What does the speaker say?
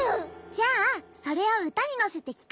じゃあそれをうたにのせてきかせて。